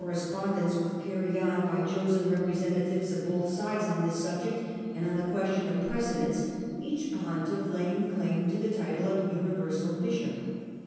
*^ respondence was carried on by chosen repre nopi« sentatives of both sides on this subject, and on the question of precedence, each pontiff laying claim to the title of Universal Bishop.